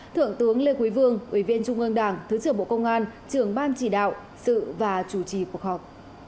thượng tướng lê quý vương ủy viên trung ương đảng thứ trưởng bộ công an trưởng ban chỉ đạo sự và chủ trì cuộc họp